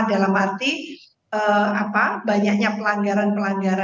dalam arti banyaknya pelanggaran pelanggaran